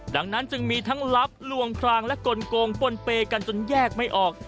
ดังนั้นจึงมีทั้งลับลวงพรางและกลงปนเปย์กันจนแยกไม่ออก